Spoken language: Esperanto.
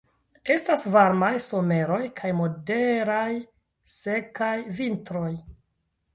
Estas varmaj someroj kaj moderaj sekaj vintroj.